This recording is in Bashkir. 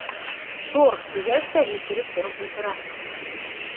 «Тор!» тигәс тә һикереп тороп ултыраһың.